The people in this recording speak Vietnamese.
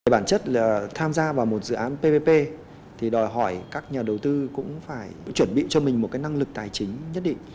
bản chất là tham gia vào một dự án ppp thì đòi hỏi các nhà đầu tư cũng phải chuẩn bị cho mình một năng lực tài chính nhất định